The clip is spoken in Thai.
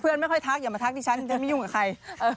ไม่ค่อยทักอย่ามาทักดิฉันฉันไม่ยุ่งกับใคร